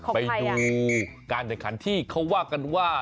ไปดูการแข่งขันที่เขาว่ากันว่า